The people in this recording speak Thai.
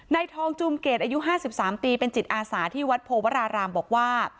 ทองจูมเกตอายุ๕๓ปีเป็นจิตอาสาที่วัดโพวรารามบอกว่า